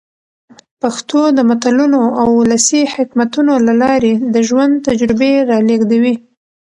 پښتو د متلونو او ولسي حکمتونو له لاري د ژوند تجربې را لېږدوي.